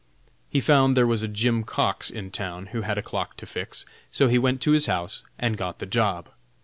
He found there was a Jim Cox in town who had a clock to fix, so he went to his house and got the job.